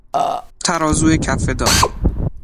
ترازو کفهدار